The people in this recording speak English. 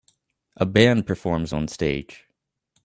A band performs on stage